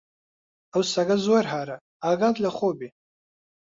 ئەو سەگە زۆر هارە، ئاگات لە خۆ بێ!